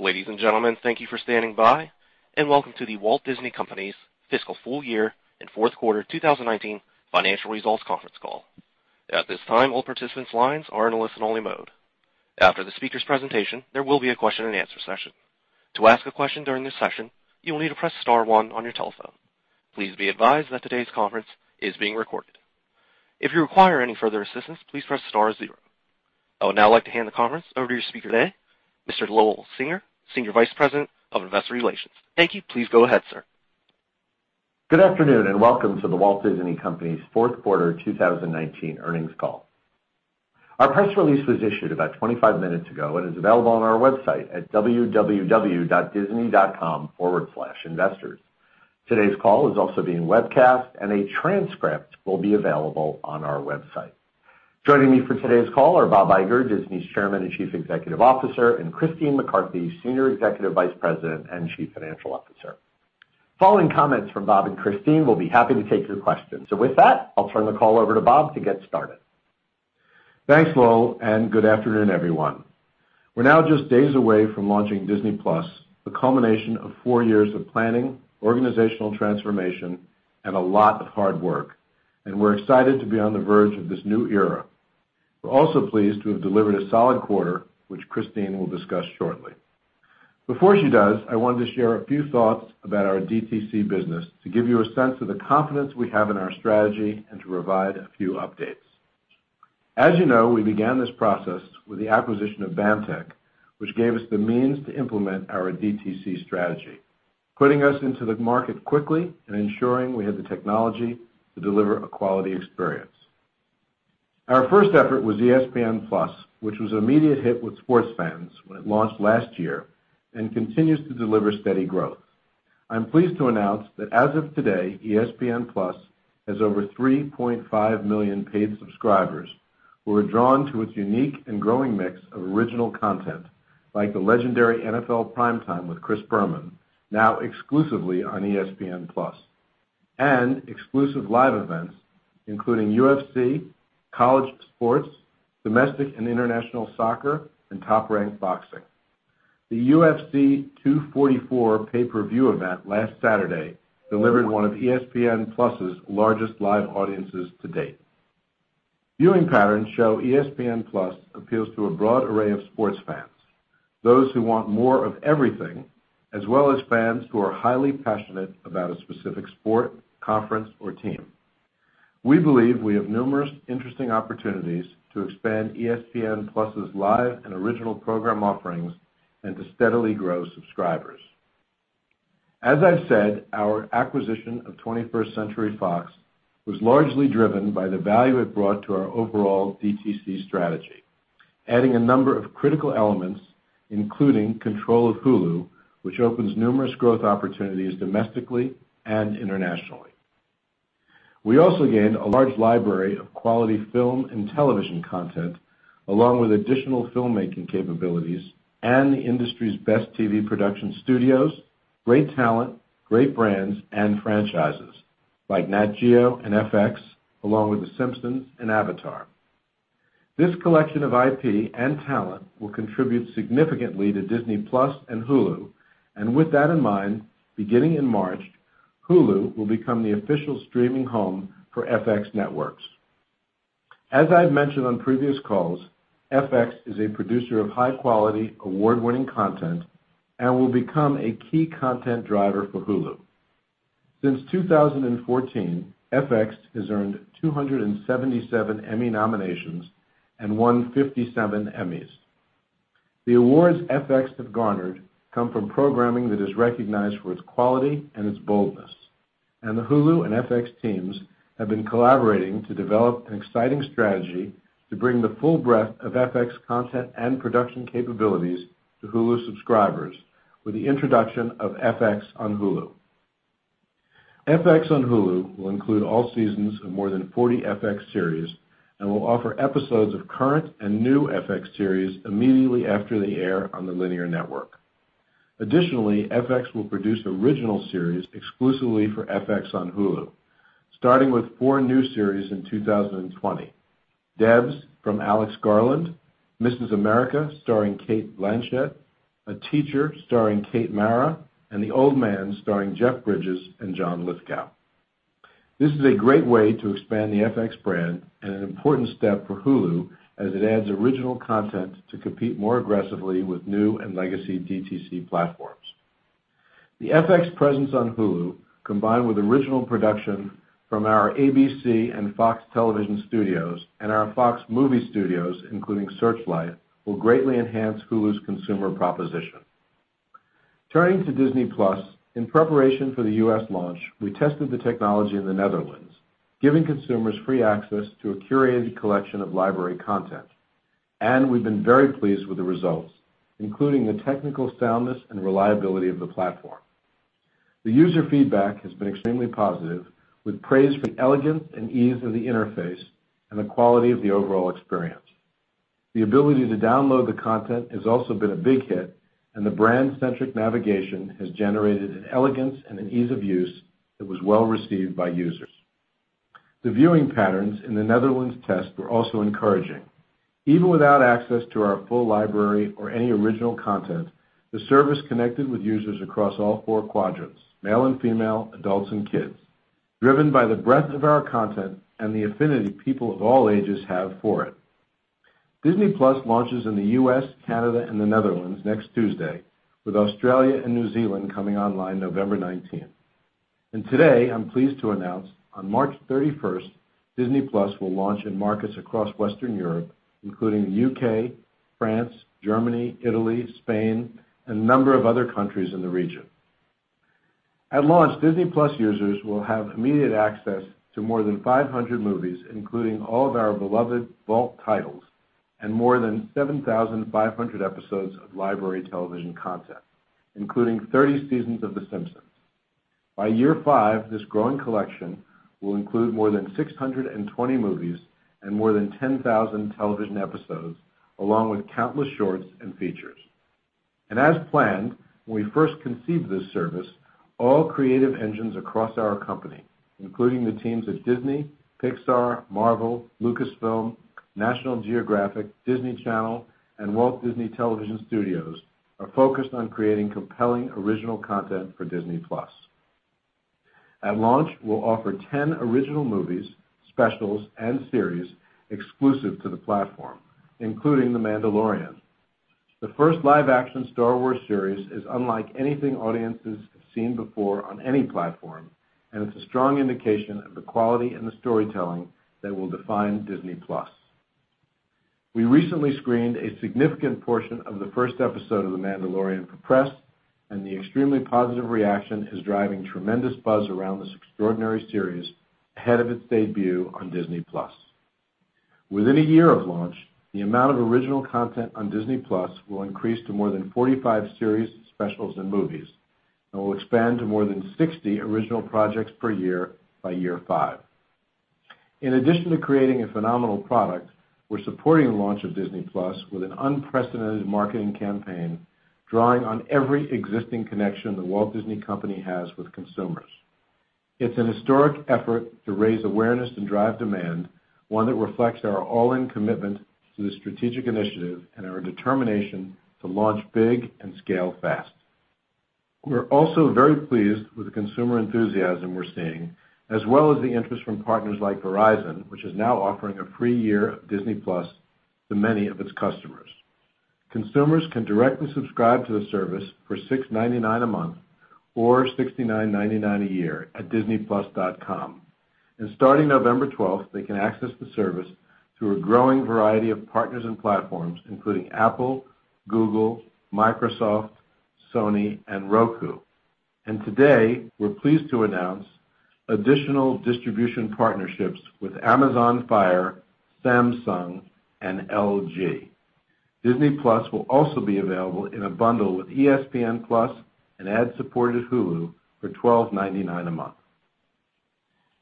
Ladies and gentlemen, thank you for standing by. Welcome to The Walt Disney Company's fiscal full year and fourth quarter 2019 financial results conference call. At this time, all participants' lines are in a listen-only mode. After the speaker's presentation, there will be a question and answer session. To ask a question during this session, you will need to press star one on your telephone. Please be advised that today's conference is being recorded. If you require any further assistance, please press star zero. I would now like to hand the conference over to your speaker today, Mr. Lowell Singer, Senior Vice President of Investor Relations. Thank you. Please go ahead, sir. Good afternoon, welcome to The Walt Disney Company's fourth quarter 2019 earnings call. Our press release was issued about 25 minutes ago and is available on our website at www.disney.com/investors. Today's call is also being webcast, and a transcript will be available on our website. Joining me for today's call are Bob Iger, Disney's Chairman and Chief Executive Officer, and Christine McCarthy, Senior Executive Vice President and Chief Financial Officer. Following comments from Bob and Christine, we'll be happy to take your questions. With that, I'll turn the call over to Bob to get started. Thanks, Lowell, and good afternoon, everyone. We're now just days away from launching Disney+, the culmination of four years of planning, organizational transformation, and a lot of hard work. We're excited to be on the verge of this new era. We're also pleased to have delivered a solid quarter, which Christine will discuss shortly. Before she does, I wanted to share a few thoughts about our DTC business to give you a sense of the confidence we have in our strategy and to provide a few updates. As you know, we began this process with the acquisition of BAMTech, which gave us the means to implement our DTC strategy, putting us into the market quickly and ensuring we had the technology to deliver a quality experience. Our first effort was ESPN Plus, which was an immediate hit with sports fans when it launched last year and continues to deliver steady growth. I'm pleased to announce that as of today, ESPN Plus has over 3.5 million paid subscribers who are drawn to its unique and growing mix of original content, like the legendary "NFL PrimeTime" with Chris Berman, now exclusively on ESPN Plus, and exclusive live events, including UFC, college sports, domestic and international soccer, and top-ranked boxing. The UFC 244 pay-per-view event last Saturday delivered one of ESPN Plus's largest live audiences to date. Viewing patterns show ESPN Plus appeals to a broad array of sports fans, those who want more of everything, as well as fans who are highly passionate about a specific sport, conference, or team. We believe we have numerous interesting opportunities to expand ESPN+'s live and original program offerings and to steadily grow subscribers. As I've said, our acquisition of 21st Century Fox was largely driven by the value it brought to our overall DTC strategy, adding a number of critical elements, including control of Hulu, which opens numerous growth opportunities domestically and internationally. We also gained a large library of quality film and television content, along with additional filmmaking capabilities and the industry's best TV production studios, great talent, great brands, and franchises like Nat Geo and FX, along with "The Simpsons" and "Avatar." This collection of IP and talent will contribute significantly to Disney+ and Hulu. With that in mind, beginning in March, Hulu will become the official streaming home for FX Networks. As I've mentioned on previous calls, FX is a producer of high-quality, award-winning content and will become a key content driver for Hulu. Since 2014, FX has earned 277 Emmy nominations and won 57 Emmys. The awards FX have garnered come from programming that is recognized for its quality and its boldness, and the Hulu and FX teams have been collaborating to develop an exciting strategy to bring the full breadth of FX content and production capabilities to Hulu subscribers with the introduction of FX on Hulu. FX on Hulu will include all seasons of more than 40 FX series and will offer episodes of current and new FX series immediately after they air on the linear network. Additionally, FX will produce original series exclusively for FX on Hulu, starting with four new series in 2020. "Devs" from Alex Garland, "Mrs. America" starring Cate Blanchett, "A Teacher" starring Kate Mara and "The Old Man" starring Jeff Bridges and John Lithgow. This is a great way to expand the FX brand and an important step for Hulu as it adds original content to compete more aggressively with new and legacy DTC platforms. The FX presence on Hulu, combined with original production from our ABC and Fox television studios and our Fox movie studios, including Searchlight, will greatly enhance Hulu's consumer proposition. Turning to Disney+, in preparation for the U.S. launch, we tested the technology in the Netherlands, giving consumers free access to a curated collection of library content. We've been very pleased with the results, including the technical soundness and reliability of the platform. The user feedback has been extremely positive, with praise for the elegance and ease of the interface and the quality of the overall experience. The ability to download the content has also been a big hit, and the brand-centric navigation has generated an elegance and an ease of use that was well received by users. The viewing patterns in the Netherlands test were also encouraging. Even without access to our full library or any original content, the service connected with users across all four quadrants, male and female, adults and kids, driven by the breadth of our content and the affinity people of all ages have for it. Disney+ launches in the U.S., Canada, and the Netherlands next Tuesday, with Australia and New Zealand coming online November 19th. Today, I'm pleased to announce on March 31st, Disney+ will launch in markets across Western Europe, including the U.K., France, Germany, Italy, Spain, and a number of other countries in the region. At launch, Disney+ users will have immediate access to more than 500 movies, including all of our beloved vault titles, and more than 7,500 episodes of library television content, including 30 seasons of "The Simpsons." By year five, this growing collection will include more than 620 movies and more than 10,000 television episodes, along with countless shorts and features. As planned, when we first conceived this service, all creative engines across our company, including the teams at Disney, Pixar, Marvel, Lucasfilm, National Geographic, Disney Channel, and Walt Disney Television Studios, are focused on creating compelling original content for Disney+. At launch, we'll offer 10 original movies, specials, and series exclusive to the platform, including "The Mandalorian." The first live-action "Star Wars" series is unlike anything audiences have seen before on any platform, and it's a strong indication of the quality and the storytelling that will define Disney+. We recently screened a significant portion of the first episode of The Mandalorian for press, and the extremely positive reaction is driving tremendous buzz around this extraordinary series ahead of its debut on Disney+. Within a year of launch, the amount of original content on Disney+ will increase to more than 45 series, specials, and movies, and will expand to more than 60 original projects per year by year five. In addition to creating a phenomenal product, we're supporting the launch of Disney+ with an unprecedented marketing campaign, drawing on every existing connection The Walt Disney Company has with consumers. It's an historic effort to raise awareness and drive demand, one that reflects our all-in commitment to this strategic initiative and our determination to launch big and scale fast. We're also very pleased with the consumer enthusiasm we're seeing, as well as the interest from partners like Verizon, which is now offering a free year of Disney+ to many of its customers. Consumers can directly subscribe to the service for $6.99 a month or $69.99 a year at disneyplus.com. Starting November 12th, they can access the service through a growing variety of partners and platforms, including Apple, Google, Microsoft, Sony, and Roku. Today, we're pleased to announce additional distribution partnerships with Amazon Fire, Samsung, and LG. Disney+ will also be available in a bundle with ESPN+ and ad-supported Hulu for $12.99 a month.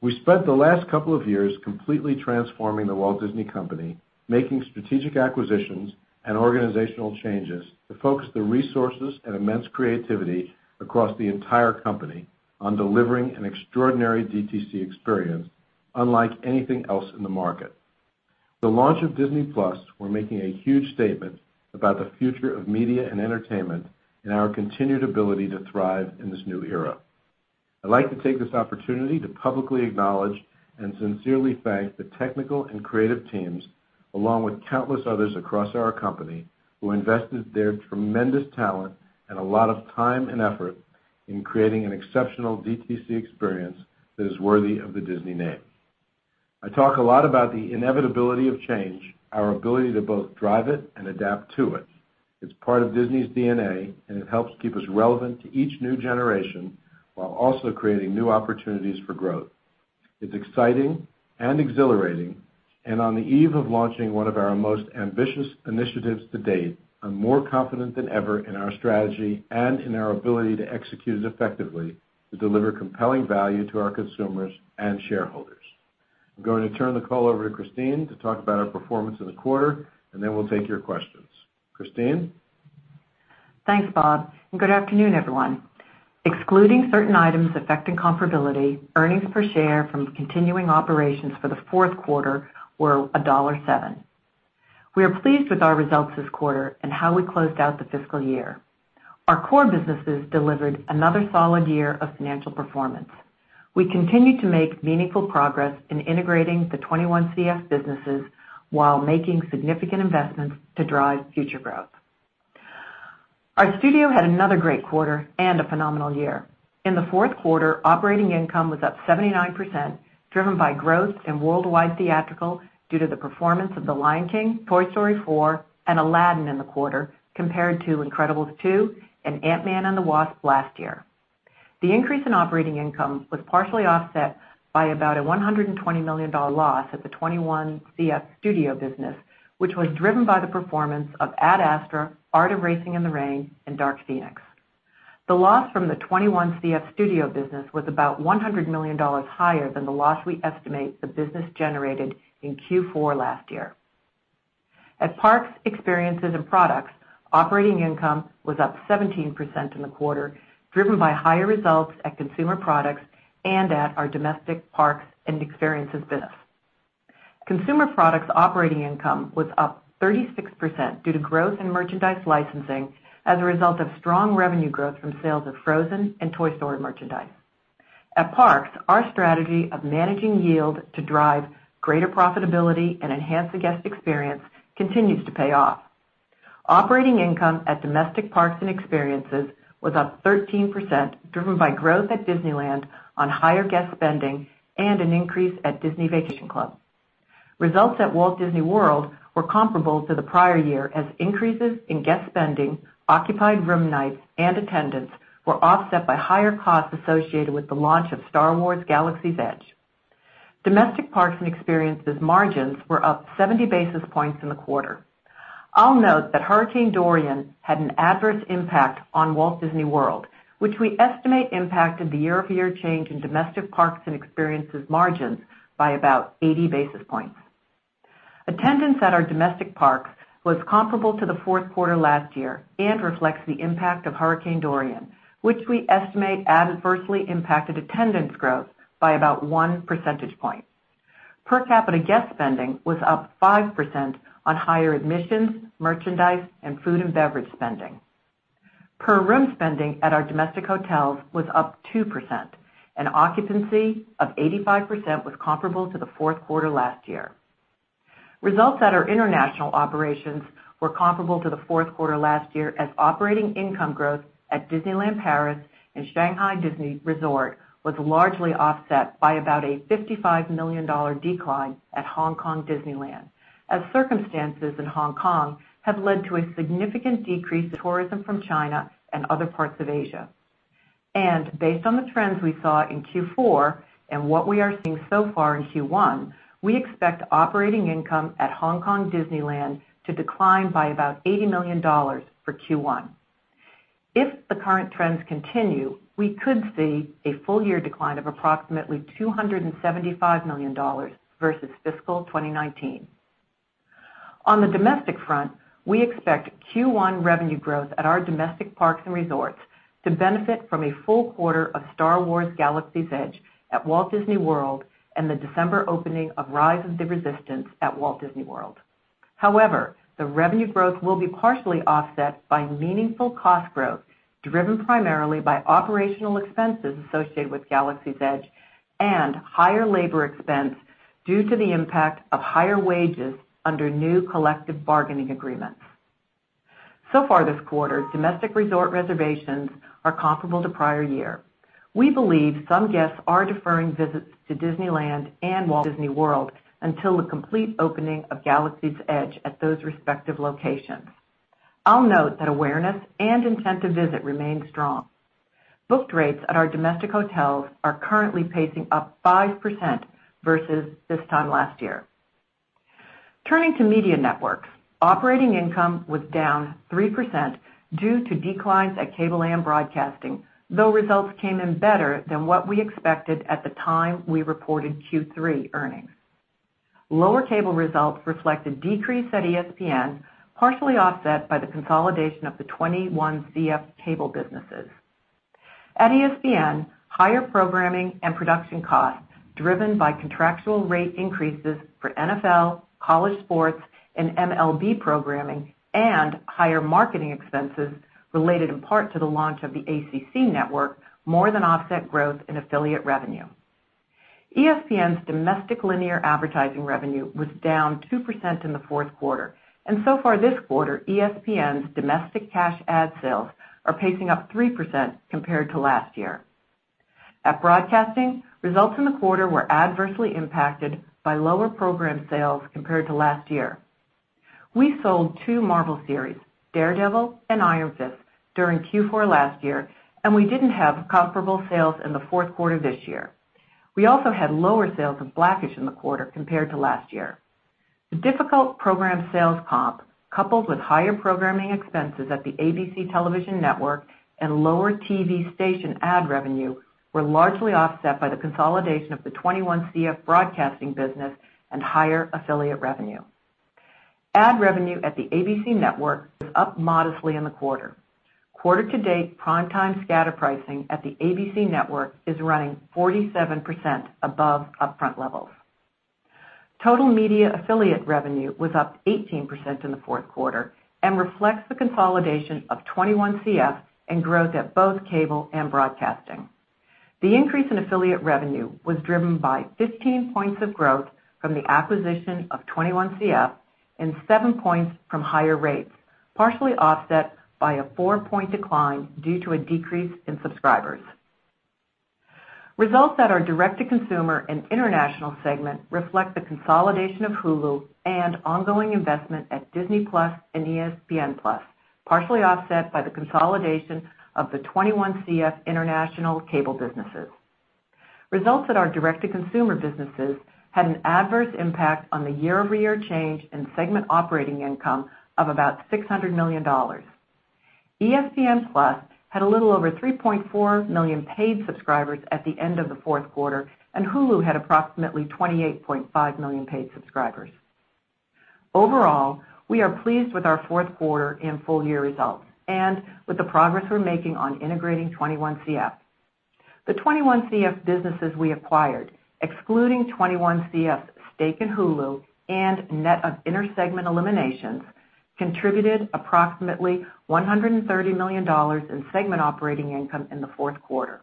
We spent the last couple of years completely transforming The Walt Disney Company, making strategic acquisitions and organizational changes to focus the resources and immense creativity across the entire company on delivering an extraordinary DTC experience unlike anything else in the market. The launch of Disney+, we're making a huge statement about the future of media and entertainment and our continued ability to thrive in this new era. I'd like to take this opportunity to publicly acknowledge and sincerely thank the technical and creative teams, along with countless others across our company, who invested their tremendous talent and a lot of time and effort in creating an exceptional DTC experience that is worthy of the Disney name. I talk a lot about the inevitability of change, our ability to both drive it and adapt to it. It's part of Disney's DNA, and it helps keep us relevant to each new generation while also creating new opportunities for growth. It's exciting and exhilarating, and on the eve of launching one of our most ambitious initiatives to date, I'm more confident than ever in our strategy and in our ability to execute effectively to deliver compelling value to our consumers and shareholders. I'm going to turn the call over to Christine to talk about our performance in the quarter, and then we'll take your questions. Christine? Thanks, Bob. Good afternoon, everyone. Excluding certain items affecting comparability, earnings per share from continuing operations for the fourth quarter were $1.07. We are pleased with our results this quarter and how we closed out the fiscal year. Our core businesses delivered another solid year of financial performance. We continue to make meaningful progress in integrating the 21CF businesses while making significant investments to drive future growth. Our studio had another great quarter and a phenomenal year. In the fourth quarter, operating income was up 79%, driven by growth in worldwide theatrical due to the performance of "The Lion King," "Toy Story 4," and "Aladdin" in the quarter compared to "Incredibles 2" and "Ant-Man and the Wasp" last year. The increase in operating income was partially offset by about a $120 million loss at the 21CF studio business, which was driven by the performance of "Ad Astra," "Art of Racing in the Rain," and "Dark Phoenix." The loss from the 21CF studio business was about $100 million higher than the loss we estimate the business generated in Q4 last year. At Parks, Experiences and Products, operating income was up 17% in the quarter, driven by higher results at Consumer Products and at our Domestic Parks and Experiences business. Consumer Products operating income was up 36% due to growth in merchandise licensing as a result of strong revenue growth from sales of Frozen and Toy Story merchandise. At Parks, our strategy of managing yield to drive greater profitability and enhance the guest experience continues to pay off. Operating income at Domestic Parks and Experiences was up 13%, driven by growth at Disneyland on higher guest spending and an increase at Disney Vacation Club. Results at Walt Disney World were comparable to the prior year as increases in guest spending, occupied room nights and attendance were offset by higher costs associated with the launch of Star Wars: Galaxy's Edge. Domestic Parks and Experiences margins were up 70 basis points in the quarter. I'll note that Hurricane Dorian had an adverse impact on Walt Disney World, which we estimate impacted the year-over-year change in Domestic Parks and Experiences margins by about 80 basis points. Attendance at our domestic parks was comparable to the fourth quarter last year and reflects the impact of Hurricane Dorian, which we estimate adversely impacted attendance growth by about one percentage point. Per capita guest spending was up 5% on higher admissions, merchandise, and food and beverage spending. Per room spending at our domestic hotels was up 2%, and occupancy of 85% was comparable to the fourth quarter last year. Results at our international operations were comparable to the fourth quarter last year as operating income growth at Disneyland Paris and Shanghai Disney Resort was largely offset by about a $55 million decline at Hong Kong Disneyland, as circumstances in Hong Kong have led to a significant decrease in tourism from China and other parts of Asia. Based on the trends we saw in Q4 and what we are seeing so far in Q1, we expect operating income at Hong Kong Disneyland to decline by about $80 million for Q1. If the current trends continue, we could see a full-year decline of approximately $275 million versus fiscal 2019. On the domestic front, we expect Q1 revenue growth at our domestic parks and resorts to benefit from a full quarter of Star Wars: Galaxy's Edge at Walt Disney World and the December opening of Rise of the Resistance at Walt Disney World. However, the revenue growth will be partially offset by meaningful cost growth, driven primarily by operational expenses associated with Galaxy's Edge and higher labor expense due to the impact of higher wages under new collective bargaining agreements. Far this quarter, domestic resort reservations are comparable to prior year. We believe some guests are deferring visits to Disneyland and Walt Disney World until the complete opening of Galaxy's Edge at those respective locations. I'll note that awareness and intent to visit remains strong. Booked rates at our domestic hotels are currently pacing up 5% versus this time last year. Turning to Media Networks, operating income was down 3% due to declines at cable and broadcasting, though results came in better than what we expected at the time we reported Q3 earnings. Lower cable results reflect a decrease at ESPN, partially offset by the consolidation of the 21CF cable businesses. At ESPN, higher programming and production costs, driven by contractual rate increases for NFL, college sports and MLB programming and higher marketing expenses related in part to the launch of the ACC network, more than offset growth in affiliate revenue. ESPN's domestic linear advertising revenue was down 2% in the fourth quarter. So far this quarter, ESPN's domestic cash ad sales are pacing up 3% compared to last year. At broadcasting, results in the quarter were adversely impacted by lower program sales compared to last year. We sold two Marvel series, "Daredevil" and "Iron Fist" during Q4 last year, and we didn't have comparable sales in the fourth quarter this year. We also had lower sales of "black-ish" in the quarter compared to last year. The difficult program sales comp, coupled with higher programming expenses at the ABC Television Network and lower TV station ad revenue, were largely offset by the consolidation of the 21CF broadcasting business and higher affiliate revenue. Ad revenue at the ABC Network was up modestly in the quarter. Quarter to date primetime scatter pricing at the ABC Network is running 47% above upfront levels. Total media affiliate revenue was up 18% in the fourth quarter and reflects the consolidation of 21CF and growth at both cable and broadcasting. The increase in affiliate revenue was driven by 15 points of growth from the acquisition of 21CF and seven points from higher rates, partially offset by a four-point decline due to a decrease in subscribers. Results at our direct-to-consumer and international segment reflect the consolidation of Hulu and ongoing investment at Disney+ and ESPN+, partially offset by the consolidation of the 21CF international cable businesses. Results at our direct-to-consumer businesses had an adverse impact on the year-over-year change in segment operating income of about $600 million. ESPN+ had a little over 3.4 million paid subscribers at the end of the fourth quarter, and Hulu had approximately 28.5 million paid subscribers. Overall, we are pleased with our fourth quarter and full year results, and with the progress we're making on integrating 21CF. The 21CF businesses we acquired, excluding 21CF's stake in Hulu and net of inter-segment eliminations, contributed approximately $130 million in segment operating income in the fourth quarter.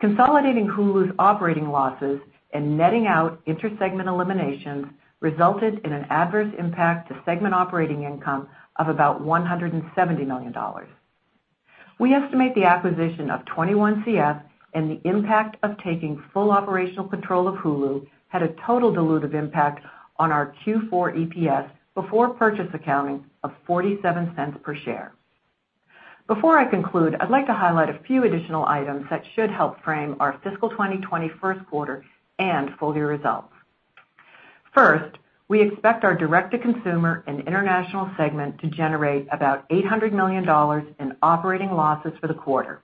Consolidating Hulu's operating losses and netting out inter-segment eliminations resulted in an adverse impact to segment operating income of about $170 million. We estimate the acquisition of 21CF and the impact of taking full operational control of Hulu had a total dilutive impact on our Q4 EPS before purchase accounting of $0.47 per share. Before I conclude, I'd like to highlight a few additional items that should help frame our fiscal 2020 first quarter and full year results. First, we expect our Direct-to-Consumer and International segment to generate about $800 million in operating losses for the quarter.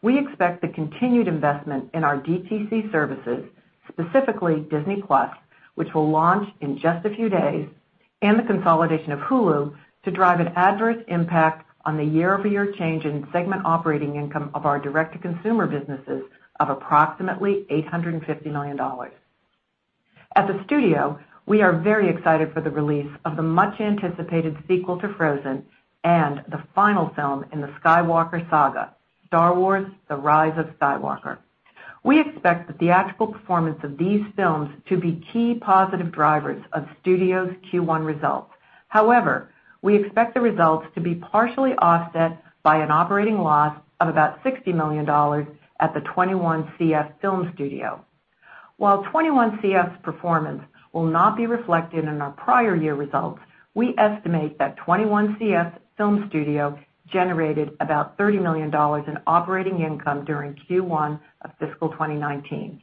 We expect the continued investment in our DTC services, specifically Disney+, which will launch in just a few days, and the consolidation of Hulu to drive an adverse impact on the year-over-year change in segment operating income of our direct-to-consumer businesses of approximately $850 million. At the studio, we are very excited for the release of the much-anticipated sequel to Frozen and the final film in the Skywalker Saga, Star Wars: The Rise of Skywalker. We expect the theatrical performance of these films to be key positive drivers of Studio's Q1 results. However, we expect the results to be partially offset by an operating loss of about $60 million at the 21CF film studio. While 21CF's performance will not be reflected in our prior year results, we estimate that 21CF film studio generated about $30 million in operating income during Q1 of fiscal 2019.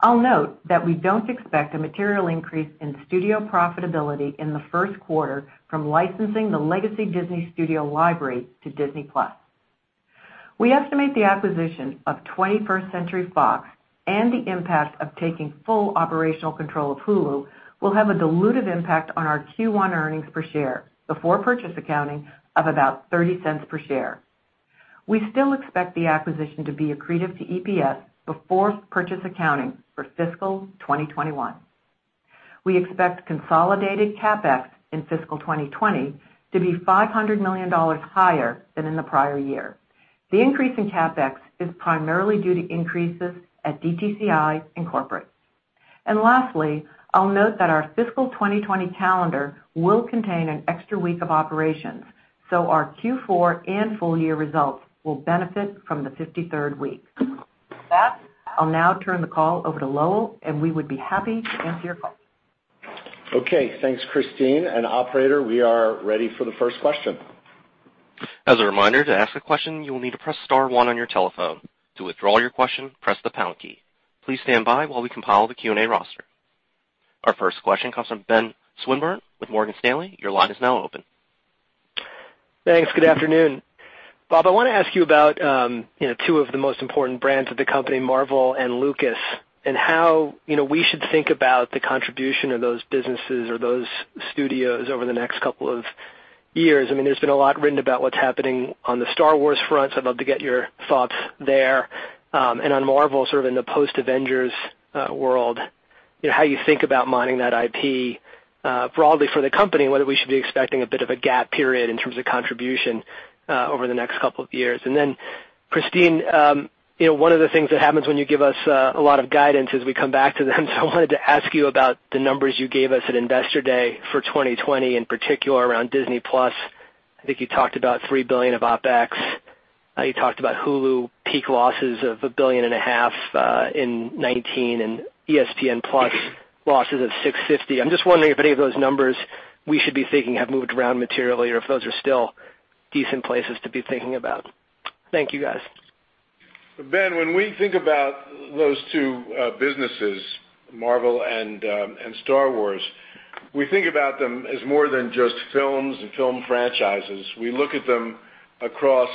I'll note that we don't expect a material increase in studio profitability in the first quarter from licensing the legacy Disney library to Disney+. We estimate the acquisition of 21st Century Fox and the impact of taking full operational control of Hulu will have a dilutive impact on our Q1 earnings per share before purchase accounting of about $0.30 per share. We still expect the acquisition to be accretive to EPS before purchase accounting for fiscal 2021. We expect consolidated CapEx in fiscal 2020 to be $500 million higher than in the prior year. The increase in CapEx is primarily due to increases at DTCI and Corporate. Lastly, I'll note that our fiscal 2020 calendar will contain an extra week of operations, so our Q4 and full year results will benefit from the 53rd week. With that, I'll now turn the call over to Lowell. We would be happy to answer your calls. Okay. Thanks, Christine and operator. We are ready for the first question. As a reminder, to ask a question, you will need to press star one on your telephone. To withdraw your question, press the pound key. Please stand by while we compile the Q&A roster. Our first question comes from Ben Swinburne with Morgan Stanley. Your line is now open. Thanks. Good afternoon. Bob, I want to ask you about two of the most important brands of the company, Marvel and Lucas, and how we should think about the contribution of those businesses or those studios over the next couple of years. There's been a lot written about what's happening on the Star Wars front, I'd love to get your thoughts there. On Marvel, in the post-Avengers world, how you think about mining that IP broadly for the company, and whether we should be expecting a bit of a gap period in terms of contribution over the next couple of years. Christine, one of the things that happens when you give us a lot of guidance is we come back to them. I wanted to ask you about the numbers you gave us at Investor Day for 2020, in particular around Disney+. I think you talked about $3 billion of OpEx. You talked about Hulu peak losses of $a billion and a half in 2019, and ESPN+ losses of $650 million. I'm just wondering if any of those numbers we should be thinking have moved around materially, or if those are still decent places to be thinking about. Thank you, guys. Ben, when we think about those two businesses, Marvel and Star Wars, we think about them as more than just films and film franchises. We look at them across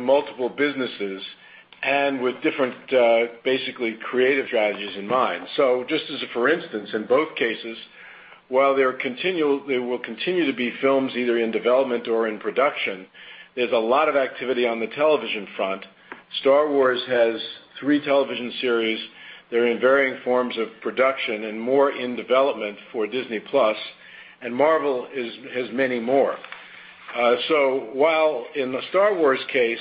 multiple businesses and with different, basically creative strategies in mind. Just as a for instance, in both cases, while there will continue to be films either in development or in production, there's a lot of activity on the television front. Star Wars has three television series. They're in varying forms of production and more in development for Disney+, and Marvel has many more. While in the Star Wars case,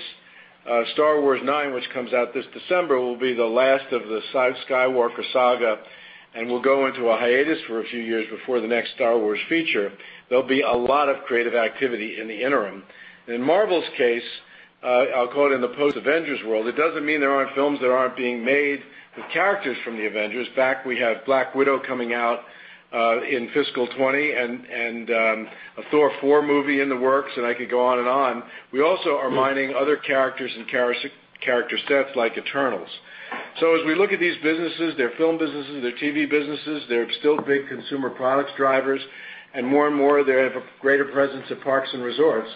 Star Wars IX, which comes out this December, will be the last of the Skywalker Saga and will go into a hiatus for a few years before the next Star Wars feature, there'll be a lot of creative activity in the interim. In Marvel's case, I'll call it in the post-Avengers world, it doesn't mean there aren't films that aren't being made with characters from the Avengers. In fact, we have Black Widow coming out in fiscal 2020 and a Thor 4 movie in the works, and I could go on and on. We also are mining other characters and character sets like Eternals. As we look at these businesses, they're film businesses, they're TV businesses, they're still big consumer products drivers, and more and more, they have a greater presence at parks and resorts.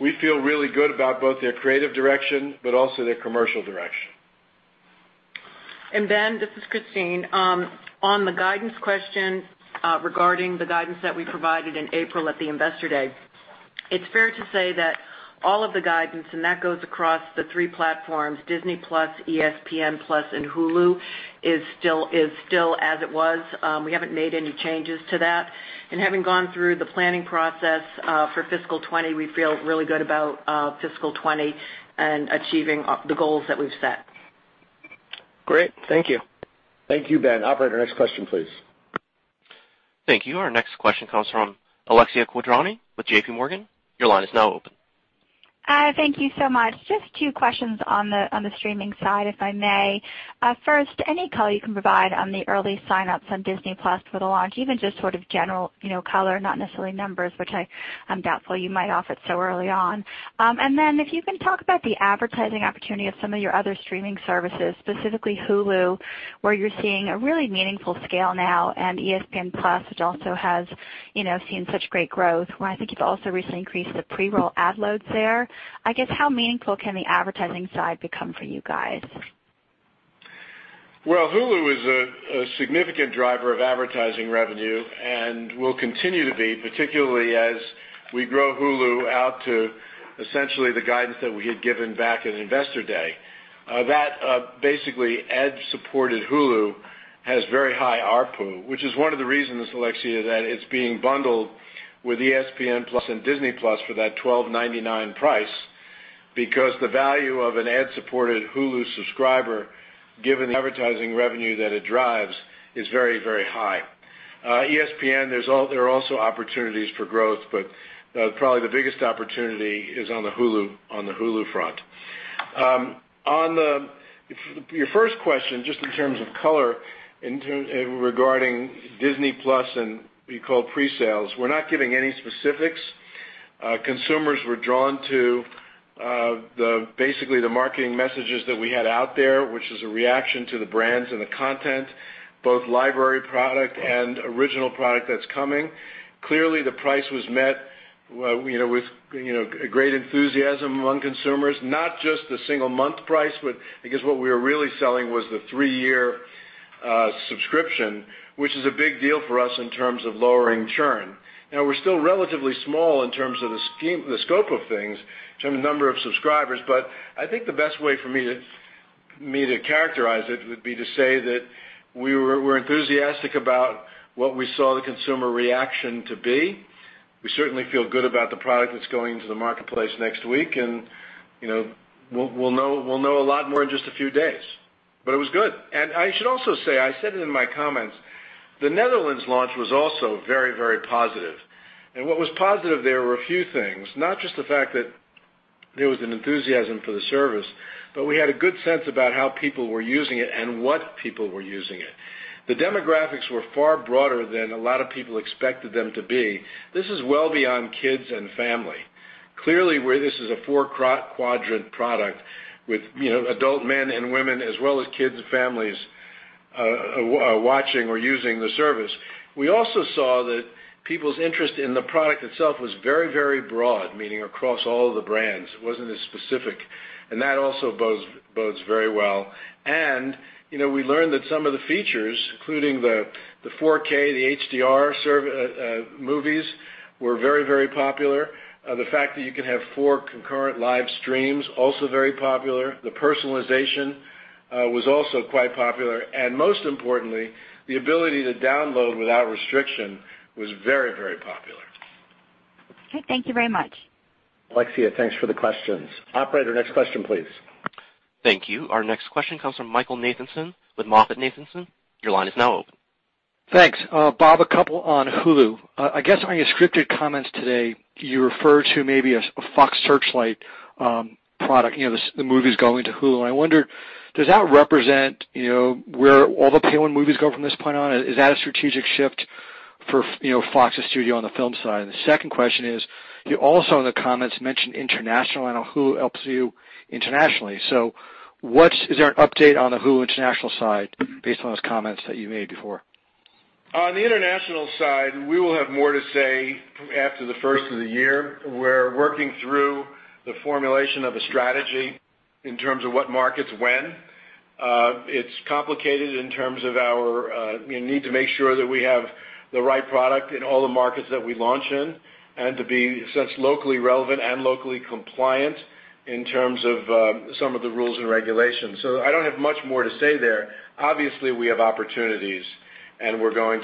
We feel really good about both their creative direction, but also their commercial direction. Ben, this is Christine. On the guidance question regarding the guidance that we provided in April at the Investor Day, it's fair to say that all of the guidance, and that goes across the three platforms, Disney+, ESPN+, and Hulu, is still as it was. We haven't made any changes to that. Having gone through the planning process for fiscal 2020, we feel really good about fiscal 2020 and achieving the goals that we've set. Great. Thank you. Thank you, Ben. Operator, next question, please. Thank you. Our next question comes from Alexia Quadrani with JP Morgan. Your line is now open. Thank you so much. Just two questions on the streaming side, if I may. First, any color you can provide on the early signups on Disney+ for the launch, even just sort of general color, not necessarily numbers, which I'm doubtful you might offer so early on. If you can talk about the advertising opportunity of some of your other streaming services, specifically Hulu, where you're seeing a really meaningful scale now, and ESPN+, which also has seen such great growth, where I think you've also recently increased the pre-roll ad loads there. I guess how meaningful can the advertising side become for you guys? Well, Hulu is a significant driver of advertising revenue and will continue to be, particularly as we grow Hulu out to essentially the guidance that we had given back at Investor Day. Basically ad-supported Hulu has very high ARPU, which is one of the reasons, Alexia, that it's being bundled with ESPN+ and Disney+ for that $12.99 price because the value of an ad-supported Hulu subscriber, given the advertising revenue that it drives, is very high. ESPN there are also opportunities for growth, but probably the biggest opportunity is on the Hulu front. On your first question, just in terms of color regarding Disney+ and what you call pre-sales, we're not giving any specifics. Consumers were drawn to basically the marketing messages that we had out there, which is a reaction to the brands and the content, both library product and original product that's coming. Clearly, the price was met with a great enthusiasm among consumers, not just the single-month price, but because what we were really selling was the three-year subscription, which is a big deal for us in terms of lowering churn. Now we're still relatively small in terms of the scope of things, in terms of the number of subscribers. I think the best way for me to characterize it would be to say that we're enthusiastic about what we saw the consumer reaction to be. We certainly feel good about the product that's going into the marketplace next week. We'll know a lot more in just a few days. It was good. I should also say, I said it in my comments, the Netherlands launch was also very positive. What was positive there were a few things, not just the fact that there was an enthusiasm for the service, but we had a good sense about how people were using it and what people were using it. The demographics were far broader than a lot of people expected them to be. This is well beyond kids and family. Clearly, this is a 4-quadrant product with adult men and women as well as kids and families watching or using the service. We also saw that people's interest in the product itself was very broad, meaning across all of the brands. It wasn't as specific. That also bodes very well. We learned that some of the features, including the 4K, the HDR movies, were very popular. The fact that you can have 4 concurrent live streams, also very popular. The personalization was also quite popular. Most importantly, the ability to download without restriction was very popular. Okay. Thank you very much. Alexia, thanks for the questions. Operator, next question, please. Thank you. Our next question comes from Michael Nathanson with MoffettNathanson. Your line is now open. Thanks. Bob, a couple on Hulu. I guess on your scripted comments today, you refer to maybe a Fox Searchlight product, the movies going to Hulu. I wonder, does that represent where all the pay-one movies go from this point on? Is that a strategic shift for Fox's studio on the film side? The second question is, you also in the comments mentioned international on Hulu helps you internationally. Is there an update on the Hulu international side based on those comments that you made before? On the international side, we will have more to say after the first of the year. We're working through the formulation of a strategy in terms of what markets when. It's complicated in terms of our need to make sure that we have the right product in all the markets that we launch in and to be locally relevant and locally compliant in terms of some of the rules and regulations. I don't have much more to say there. Obviously, we have opportunities and we're going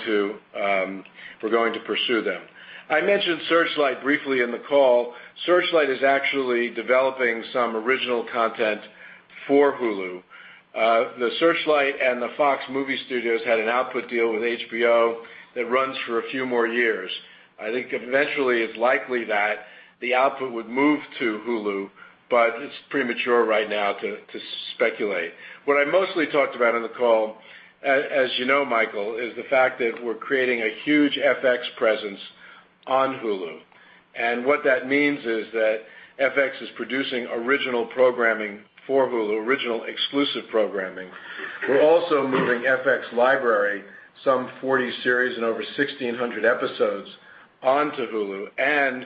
to pursue them. I mentioned Searchlight briefly in the call. Searchlight is actually developing some original content for Hulu. The Searchlight and the Fox movie studios had an output deal with HBO that runs for a few more years. I think eventually it's likely that the output would move to Hulu, but it's premature right now to speculate. What I mostly talked about on the call, as you know, Michael, is the fact that we're creating a huge FX presence on Hulu. What that means is that FX is producing original programming for Hulu, original exclusive programming. We're also moving FX library, some 40 series and over 1,600 episodes, onto Hulu.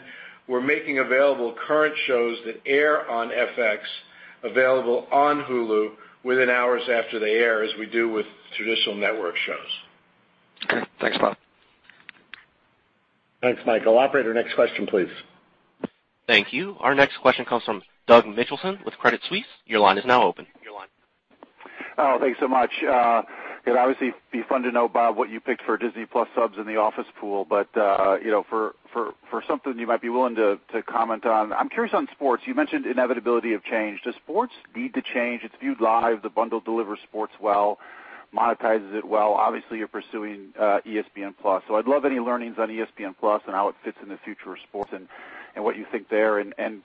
We're making available current shows that air on FX available on Hulu within hours after they air, as we do with traditional network shows. Okay. Thanks, Bob. Thanks, Michael. Operator, next question, please. Thank you. Our next question comes from Doug Mitchelson with Credit Suisse. Your line is now open. Oh, thanks so much. For something you might be willing to comment on, I'm curious on sports. You mentioned the inevitability of change. Does sports need to change? It's viewed live. The bundle delivers sports well, monetizes it well. Obviously, you're pursuing ESPN+. I'd love any learnings on ESPN+ and how it fits in the future of sports and what you think there.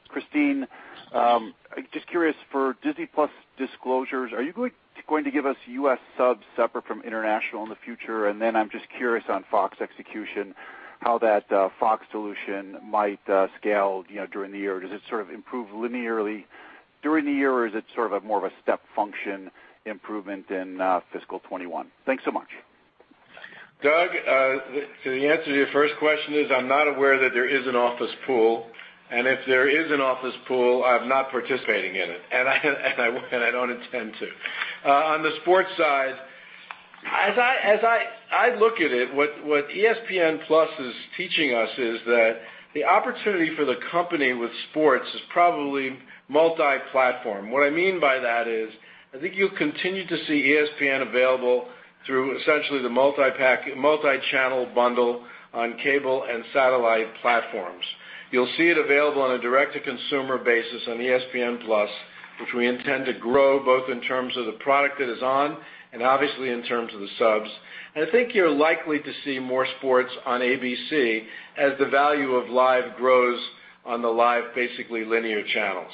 Christine, just curious, for Disney+ disclosures, are you going to give us U.S. subs separate from international in the future? Then I'm just curious on Fox execution, how that Fox solution might scale during the year. Does it sort of improve linearly during the year, or is it sort of more of a step function improvement in fiscal '21? Thanks so much. Doug, the answer to your first question is I'm not aware that there is an office pool, and if there is an office pool, I'm not participating in it, and I don't intend to. On the sports side, as I look at it, what ESPN+ is teaching us is that the opportunity for the company with sports is probably multi-platform. What I mean by that is, I think you'll continue to see ESPN available through essentially the multi-channel bundle on cable and satellite platforms. You'll see it available on a direct-to-consumer basis on ESPN+, which we intend to grow both in terms of the product that is on and obviously in terms of the subs. I think you're likely to see more sports on ABC as the value of live grows on the live, basically linear channels.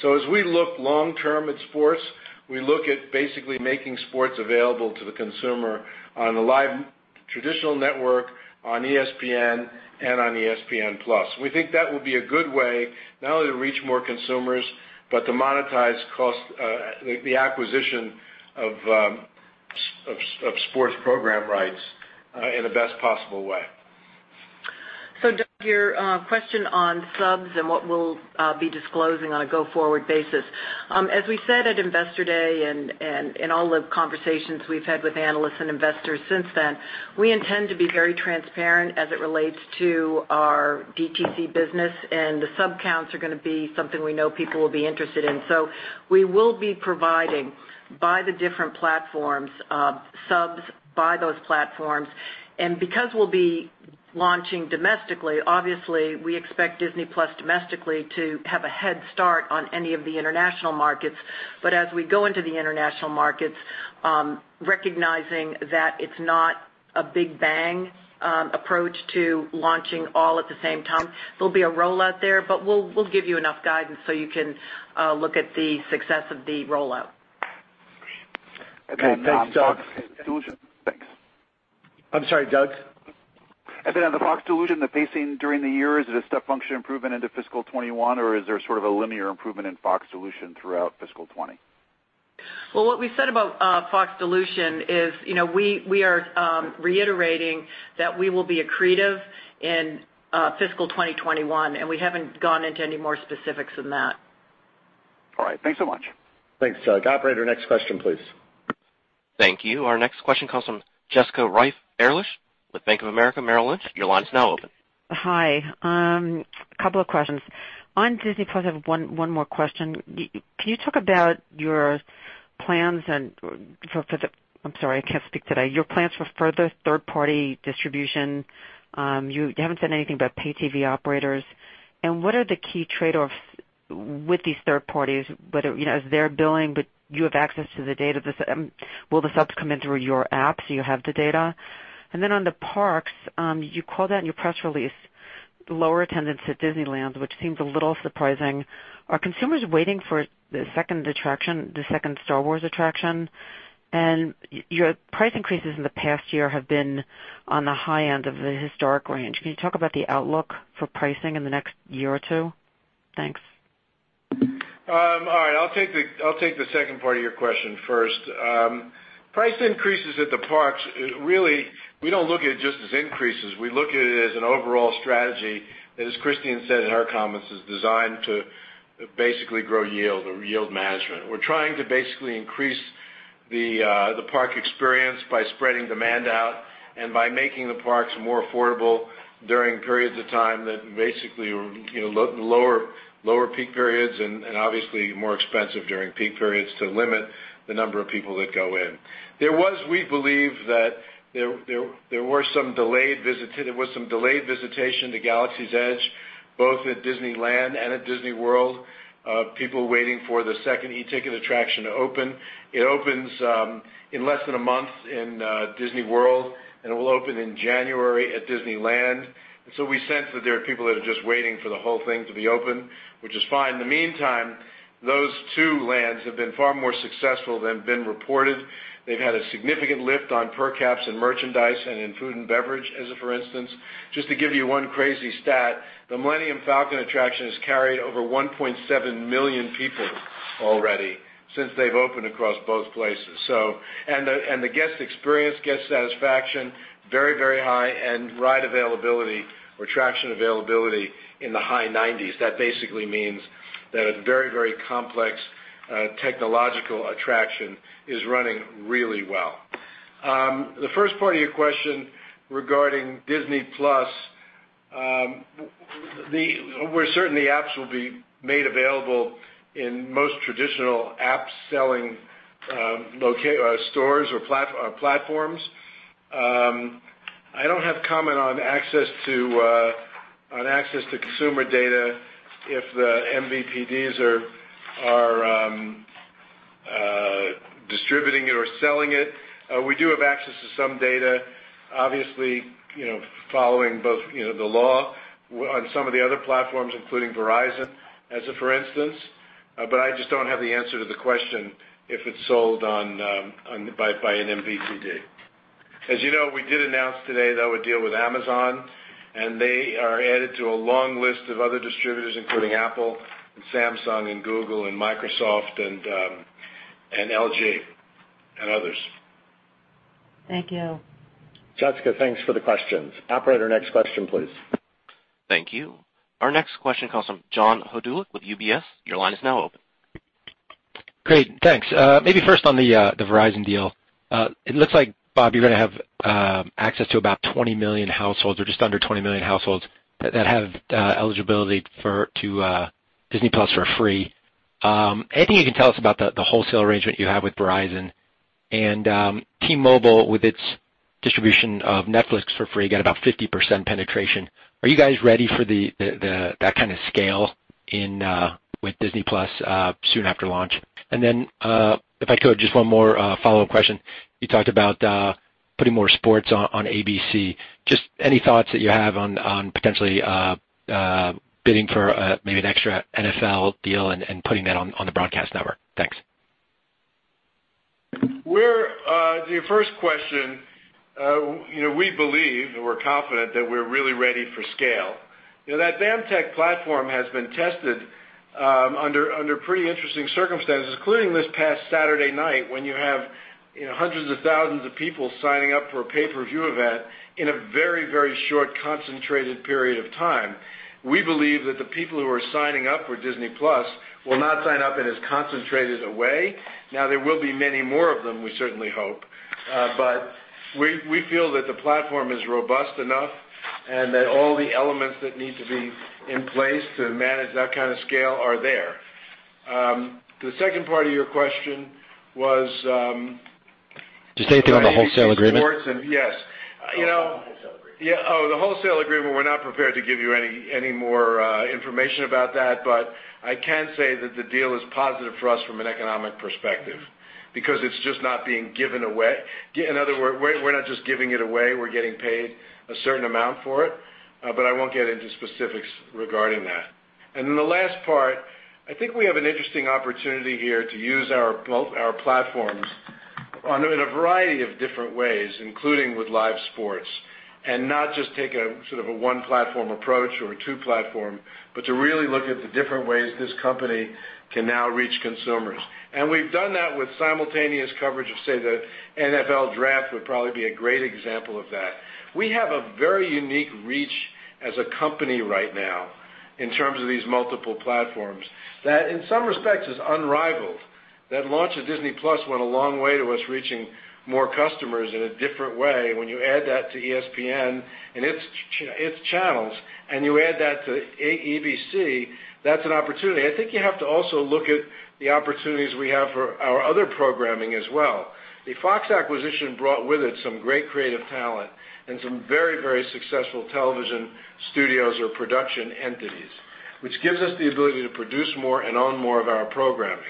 As we look long-term at sports, we look at basically making sports available to the consumer on the live traditional network, on ESPN, and on ESPN+. We think that will be a good way not only to reach more consumers but to monetize the acquisition of sports program rights in the best possible way. Doug, your question on subs and what we'll be disclosing on a go-forward basis. As we said at Investor Day and in all the conversations we've had with analysts and investors since then, we intend to be very transparent as it relates to our DTC business and the sub counts are going to be something we know people will be interested in. We will be providing by the different platforms, subs by those platforms. Because we'll be launching domestically, obviously, we expect Disney+ domestically to have a head start on any of the international markets. As we go into the international markets, recognizing that it's not a big bang approach to launching all at the same time. There'll be a rollout there, but we'll give you enough guidance so you can look at the success of the rollout. Okay. Thanks, Doug. Thanks. I'm sorry, Doug? On the Fox dilution, the pacing during the year, is it a step function improvement into fiscal 2021, or is there sort of a linear improvement in Fox dilution throughout fiscal 2020? Well, what we said about Fox dilution is we are reiterating that we will be accretive in fiscal 2021. We haven't gone into any more specifics than that. All right. Thanks so much. Thanks, Doug. Operator, next question, please. Thank you. Our next question comes from Jessica Reif Ehrlich with Bank of America Merrill Lynch. Your line is now open. Hi. A couple of questions. On Disney+, I have one more question. Can you talk about your plans for further third-party distribution? I'm sorry, I can't speak today. You haven't said anything about pay TV operators. What are the key trade-offs with these third parties? Is there billing, but you have access to the data? Will the subs come in through your apps, so you have the data? On the parks, you called out in your press release lower attendance at Disneyland, which seems a little surprising. Are consumers waiting for the second Star Wars attraction? Your price increases in the past year have been on the high end of the historic range. Can you talk about the outlook for pricing in the next year or two? Thanks. All right. I'll take the second part of your question first. Price increases at the parks, really, we don't look at it just as increases. We look at it as an overall strategy that, as Christine McCarthy said in her comments, is designed to basically grow yield or yield management. We're trying to basically increase the park experience by spreading demand out and by making the parks more affordable during periods of time that basically lower peak periods and obviously more expensive during peak periods to limit the number of people that go in. We believe that there was some delayed visitation to Galaxy's Edge both at Disneyland and at Disney World, people waiting for the second e-ticket attraction to open. It opens in less than a month in Disney World, and it will open in January at Disneyland. We sense that there are people that are just waiting for the whole thing to be open, which is fine. In the meantime, those two lands have been far more successful than been reported. They've had a significant lift on per caps in merchandise and in food and beverage, as a for instance. Just to give you one crazy stat, the Millennium Falcon attraction has carried over 1.7 million people already since they've opened across both places. The guest experience, guest satisfaction, very high, and ride availability or attraction availability in the high 90s. That basically means that a very complex technological attraction is running really well. The first part of your question regarding Disney+, we're certain the apps will be made available in most traditional app-selling stores or platforms. I don't have a comment on access to consumer data if the MVPDs are distributing it or selling it. We do have access to some data, obviously, following both the law on some of the other platforms, including Verizon, as a for instance, but I just don't have the answer to the question if it's sold by an MVPD. As you know, we did announce today, though, a deal with Amazon, and they are added to a long list of other distributors, including Apple and Samsung and Google and Microsoft and LG and others. Thank you. Jessica, thanks for the questions. Operator, next question, please. Thank you. Our next question comes from John Hodulik with UBS. Your line is now open. Great, thanks. First on the Verizon deal. It looks like, Bob, you're going to have access to about 20 million households or just under 20 million households that have eligibility to Disney+ for free. Anything you can tell us about the wholesale arrangement you have with Verizon and T-Mobile with its distribution of Netflix for free got about 50% penetration. Are you guys ready for that kind of scale with Disney+ soon after launch? If I could, just one more follow-up question. You talked about putting more sports on ABC. Just any thoughts that you have on potentially bidding for maybe an extra NFL deal and putting that on the broadcast network? Thanks. The first question, we believe and we're confident that we're really ready for scale. That BAMTech platform has been tested under pretty interesting circumstances, including this past Saturday night when you have hundreds of thousands of people signing up for a pay-per-view event in a very short, concentrated period of time. We believe that the people who are signing up for Disney+ will not sign up in as concentrated a way. There will be many more of them, we certainly hope. We feel that the platform is robust enough and that all the elements that need to be in place to manage that kind of scale are there. The second part of your question was. Just anything on the wholesale agreement? ABC sports and yes. Oh, on the wholesale agreement. The wholesale agreement, we're not prepared to give you any more information about that, but I can say that the deal is positive for us from an economic perspective because it's just not being given away. In other words, we're not just giving it away. We're getting paid a certain amount for it. I won't get into specifics regarding that. The last part, I think we have an interesting opportunity here to use both our platforms in a variety of different ways, including with live sports, and not just take a one-platform approach or a two-platform, but to really look at the different ways this company can now reach consumers. We've done that with simultaneous coverage of, say, the NFL Draft would probably be a great example of that. We have a very unique reach as a company right now in terms of these multiple platforms that in some respects is unrivaled. That launch of Disney+ went a long way to us reaching more customers in a different way. When you add that to ESPN and its channels, and you add that to ABC, that's an opportunity. I think you have to also look at the opportunities we have for our other programming as well. The Fox acquisition brought with it some great creative talent and some very successful television studios or production entities, which gives us the ability to produce more and own more of our programming.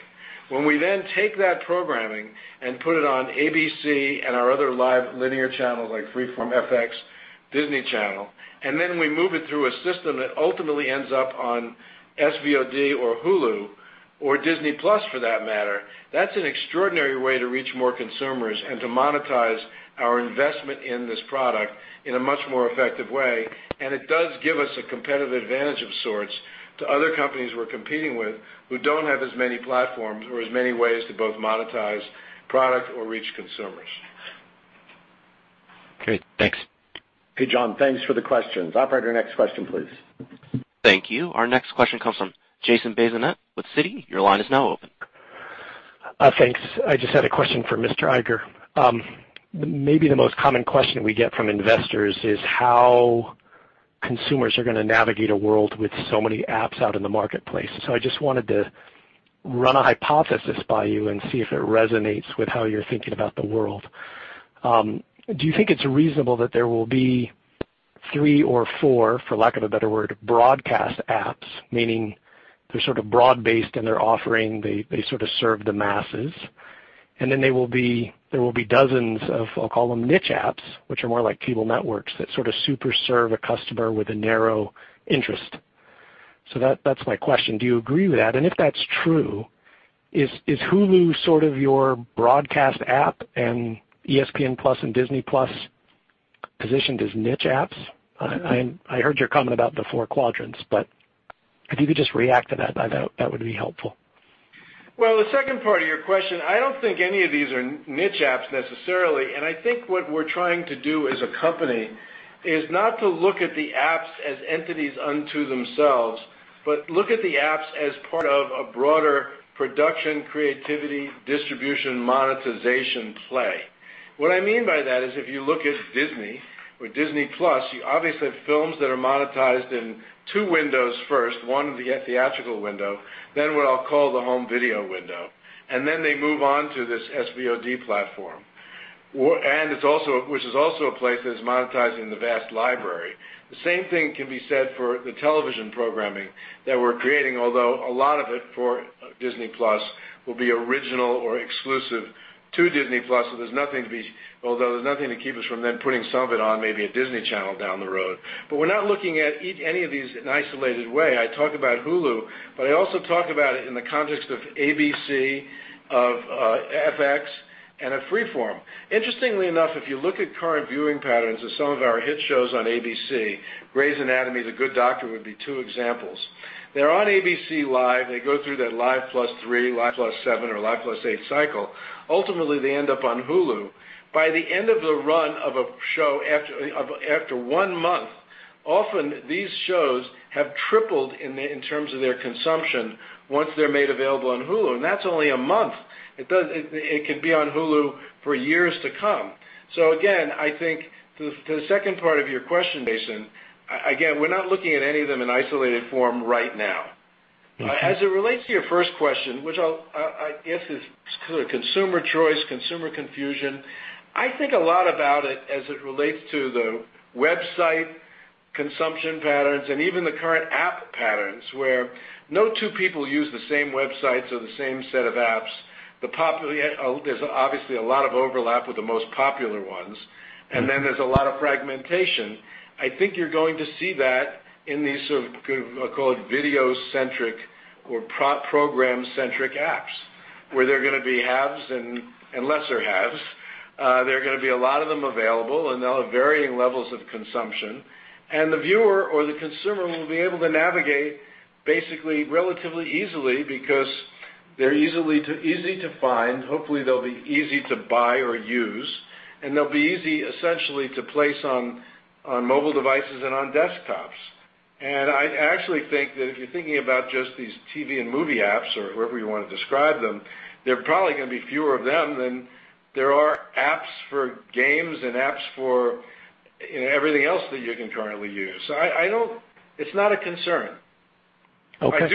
When we take that programming and put it on ABC and our other live linear channels like Freeform, FX, Disney Channel, then we move it through a system that ultimately ends up on SVOD or Hulu or Disney+ for that matter, that's an extraordinary way to reach more consumers and to monetize our investment in this product in a much more effective way. It does give us a competitive advantage of sorts to other companies we're competing with who don't have as many platforms or as many ways to both monetize product or reach consumers. Great. Thanks. Hey, John. Thanks for the questions. Operator, next question, please. Thank you. Our next question comes from Jason Bazinet with Citi. Your line is now open. Thanks. I just had a question for Mr. Iger. Maybe the most common question we get from investors is how consumers are going to navigate a world with so many apps out in the marketplace. I just wanted to run a hypothesis by you and see if it resonates with how you're thinking about the world. Do you think it's reasonable that there will be three or four, for lack of a better word, broadcast apps, meaning they're sort of broad-based in their offering, they sort of serve the masses, and then there will be dozens of, I'll call them niche apps, which are more like cable networks that sort of super serve a customer with a narrow interest? That's my question. Do you agree with that? If that's true, is Hulu sort of your broadcast app and ESPN+ and Disney+ positioned as niche apps? I heard your comment about the four quadrants, but if you could just react to that would be helpful. The second part of your question, I don't think any of these are niche apps necessarily, and I think what we're trying to do as a company is not to look at the apps as entities unto themselves, but look at the apps as part of a broader production, creativity, distribution, monetization play. What I mean by that is if you look at Disney or Disney+, you obviously have films that are monetized in two windows first, one the theatrical window, then what I'll call the home video window. Then they move on to this SVOD platform. Which is also a place that's monetizing the vast library. The same thing can be said for the television programming that we're creating, although a lot of it for Disney+ will be original or exclusive to Disney+, although there's nothing to keep us from then putting some of it on maybe a Disney Channel down the road. We're not looking at any of these in an isolated way. I talk about Hulu, I also talk about it in the context of ABC, of FX, and of Freeform. Interestingly enough, if you look at current viewing patterns of some of our hit shows on ABC, "Grey's Anatomy," "The Good Doctor" would be two examples. They're on ABC Live, they go through that Live plus three, Live plus seven or Live plus eight cycle. Ultimately, they end up on Hulu. By the end of the run of a show after one month, often these shows have tripled in terms of their consumption once they're made available on Hulu, and that's only a month. It can be on Hulu for years to come. Again, I think to the second part of your question, Jason, again, we're not looking at any of them in isolated form right now. Okay. As it relates to your first question, which I guess is clear, consumer choice, consumer confusion, I think a lot about it as it relates to the website consumption patterns and even the current app patterns, where no two people use the same websites or the same set of apps. There's obviously a lot of overlap with the most popular ones. There's a lot of fragmentation. I think you're going to see that in these sort of, I'll call it video-centric or program-centric apps, where there are going to be haves and lesser haves. There are going to be a lot of them available, and they'll have varying levels of consumption, and the viewer or the consumer will be able to navigate basically relatively easily because they're easy to find. Hopefully, they'll be easy to buy or use. They'll be easy, essentially, to place on mobile devices and on desktops. I actually think that if you're thinking about just these TV and movie apps or however you want to describe them, there are probably going to be fewer of them than there are apps for games and apps for everything else that you can currently use. It's not a concern. Okay. Thank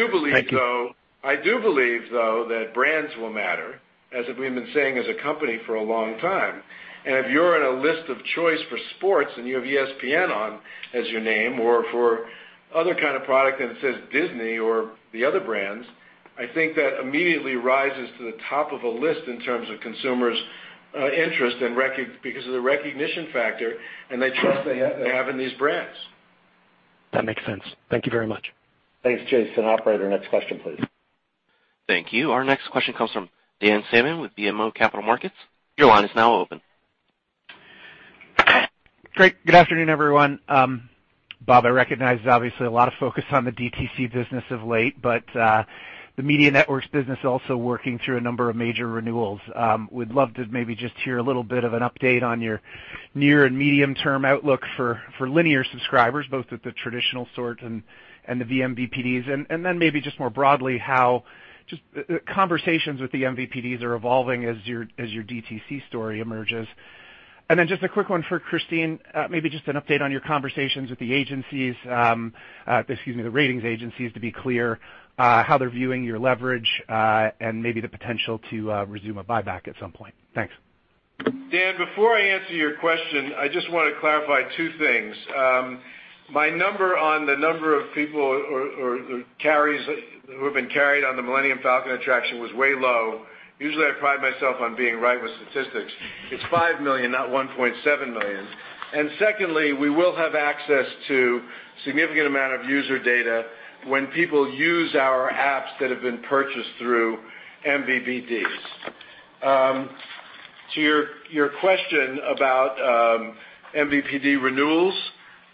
you. I do believe, though, that brands will matter, as we've been saying as a company for a long time. If you're in a list of choice for sports and you have ESPN on as your name or for other kind of product and it says Disney or the other brands, I think that immediately rises to the top of a list in terms of consumers' interest because of the recognition factor and the trust they have in these brands. That makes sense. Thank you very much. Thanks, Jason. Operator, next question, please. Thank you. Our next question comes from Dan Salmon with BMO Capital Markets. Your line is now open. Great. Good afternoon, everyone. Bob, I recognize obviously a lot of focus on the DTC business of late, but the Media Networks business also working through a number of major renewals. Would love to maybe just hear a little bit of an update on your near and medium-term outlook for linear subscribers, both at the traditional sort and the MVPDs, then maybe just more broadly, how just conversations with the MVPDs are evolving as your DTC story emerges. Just a quick one for Christine, maybe just an update on your conversations with the agencies, excuse me, the ratings agencies, to be clear, how they're viewing your leverage, and maybe the potential to resume a buyback at some point. Thanks. Dan, before I answer your question, I just want to clarify two things. My number on the number of people who have been carried on the Millennium Falcon attraction was way low. Usually, I pride myself on being right with statistics. It's 5 million, not 1.7 million. Secondly, we will have access to a significant amount of user data when people use our apps that have been purchased through MVPDs. To your question about MVPD renewals,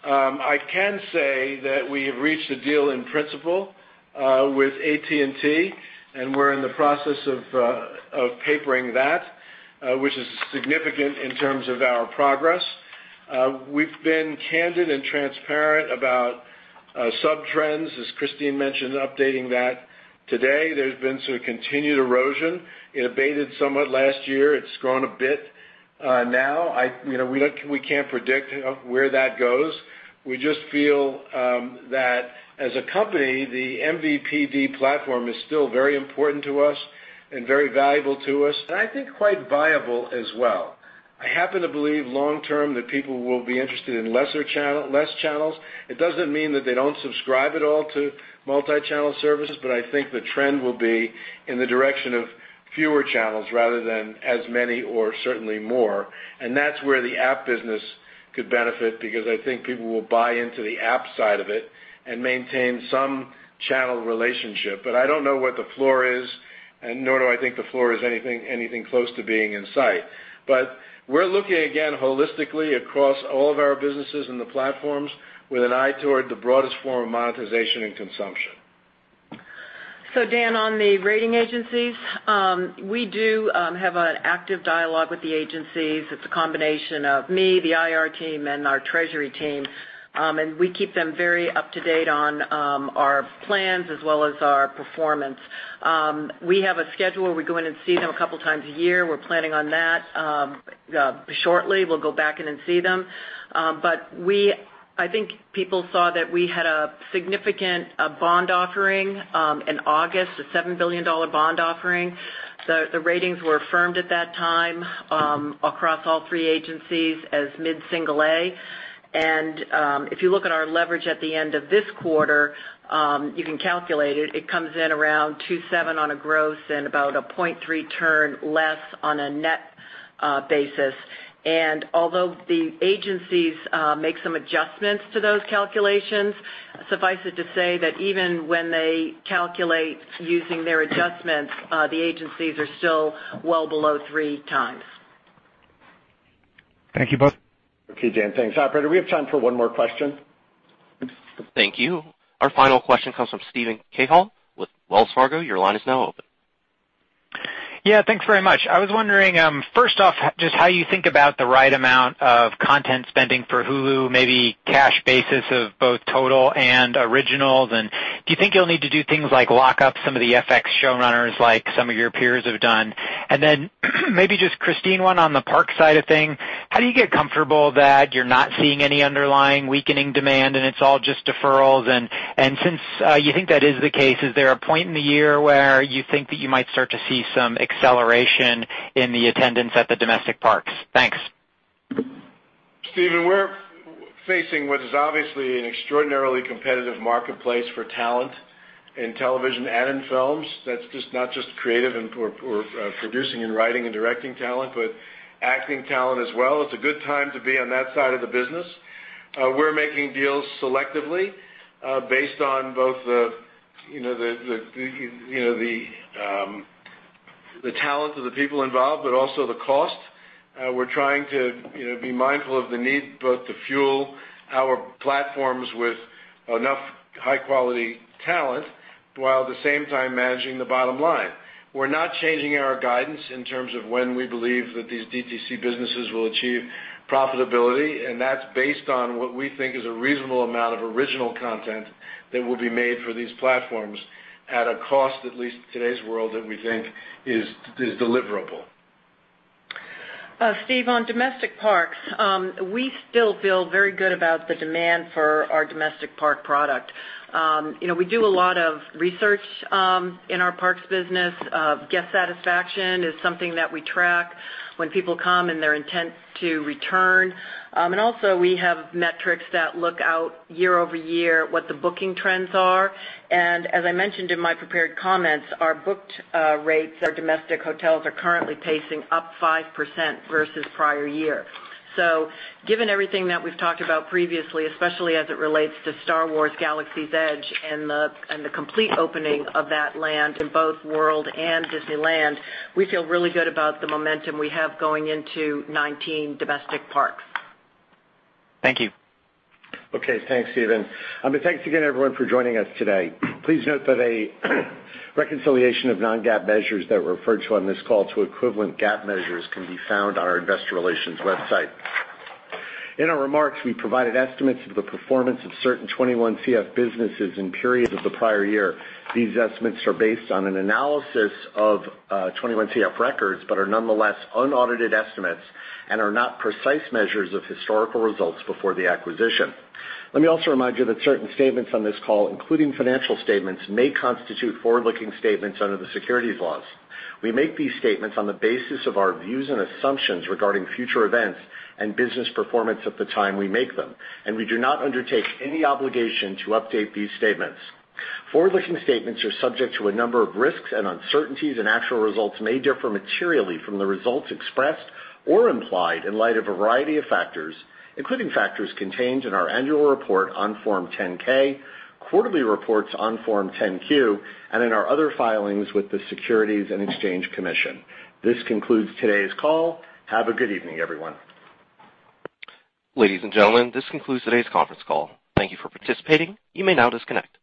I can say that we have reached a deal in principle with AT&T, and we're in the process of papering that, which is significant in terms of our progress. We've been candid and transparent about sub-trends, as Christine mentioned, updating that today. There's been sort of continued erosion. It abated somewhat last year. It's grown a bit. Now we can't predict where that goes. We just feel that as a company, the MVPD platform is still very important to us, very valuable to us, and I think quite viable as well. I happen to believe long-term that people will be interested in less channels. It doesn't mean that they don't subscribe at all to multi-channel services, but I think the trend will be in the direction of fewer channels rather than as many or certainly more. That's where the app business could benefit, because I think people will buy into the app side of it and maintain some channel relationship. I don't know what the floor is, nor do I think the floor is anything close to being in sight. We're looking, again, holistically across all of our businesses and the platforms with an eye toward the broadest form of monetization and consumption. Dan, on the rating agencies, we do have an active dialogue with the agencies. It's a combination of me, the IR team, and our treasury team. We keep them very up-to-date on our plans as well as our performance. We have a schedule. We go in and see them a couple of times a year. We're planning on that. Shortly, we'll go back in and see them. I think people saw that we had a significant bond offering in August, a $7 billion bond offering. The ratings were firmed at that time across all three agencies as mid-single A. If you look at our leverage at the end of this quarter, you can calculate it. It comes in around 2.7 on a gross and about a 0.3 turn less on a net basis. Although the agencies make some adjustments to those calculations, suffice it to say that even when they calculate using their adjustments, the agencies are still well below three times. Thank you both. Okay, Dan. Thanks. Operator, do we have time for one more question? Thank you. Our final question comes from Steven Cahall with Wells Fargo. Your line is now open. Yeah, thanks very much. I was wondering, first off, just how you think about the right amount of content spending for Hulu, maybe cash basis of both total and originals. Do you think you'll need to do things like lock up some of the FX showrunners like some of your peers have done? Maybe just Christine, one on the parks side of thing. How do you get comfortable that you're not seeing any underlying weakening demand and it's all just deferrals? Since you think that is the case, is there a point in the year where you think that you might start to see some acceleration in the attendance at the domestic parks? Thanks. Steven, we're facing what is obviously an extraordinarily competitive marketplace for talent in television and in films. That's not just creative or producing and writing and directing talent, but acting talent as well. It's a good time to be on that side of the business. We're making deals selectively based on both the talent of the people involved, but also the cost. We're trying to be mindful of the need both to fuel our platforms with enough high-quality talent while at the same time managing the bottom line. We're not changing our guidance in terms of when we believe that these DTC businesses will achieve profitability, and that's based on what we think is a reasonable amount of original content that will be made for these platforms at a cost, at least in today's world, that we think is deliverable. Steve, on domestic parks, we still feel very good about the demand for our domestic park product. We do a lot of research in our parks business. Guest satisfaction is something that we track when people come and their intent to return. Also we have metrics that look out year-over-year what the booking trends are. As I mentioned in my prepared comments, our booked rates at domestic hotels are currently pacing up 5% versus prior year. Given everything that we've talked about previously, especially as it relates to Star Wars: Galaxy's Edge and the complete opening of that land in both World and Disneyland, we feel really good about the momentum we have going into 2019 domestic parks. Thank you. Okay. Thanks, Steven. Thanks again, everyone, for joining us today. Please note that a reconciliation of non-GAAP measures that were referred to on this call to equivalent GAAP measures can be found on our investor relations website. In our remarks, we provided estimates of the performance of certain 21CF businesses in periods of the prior year. These estimates are based on an analysis of 21CF records, but are nonetheless unaudited estimates and are not precise measures of historical results before the acquisition. Let me also remind you that certain statements on this call, including financial statements, may constitute forward-looking statements under the securities laws. We make these statements on the basis of our views and assumptions regarding future events and business performance at the time we make them, and we do not undertake any obligation to update these statements. Forward-looking statements are subject to a number of risks and uncertainties, and actual results may differ materially from the results expressed or implied in light of a variety of factors, including factors contained in our annual report on Form 10-K, quarterly reports on Form 10-Q, and in our other filings with the Securities and Exchange Commission. This concludes today's call. Have a good evening, everyone. Ladies and gentlemen, this concludes today's conference call. Thank you for participating. You may now disconnect.